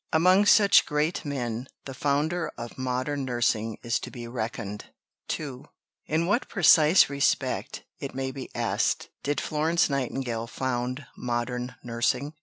Among such "great men" the founder of modern nursing is to be reckoned. II In what precise respect, it may be asked, did Florence Nightingale "found" modern nursing?